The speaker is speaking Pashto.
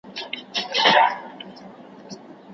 سل او څو پرهېزگاران مي شرابيان كړل